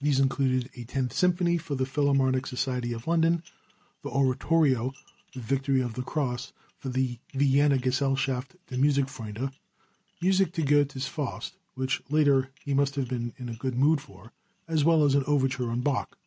These included a Tenth Symphony, (for the Philharmonic Society of London), the Oratorio, The Victory of the Cross, for the Vienna Gesellschaft der Musikfreunde, music to Goethe's Faust, which latter he must have been in good mood for, as well as an overture on Bach.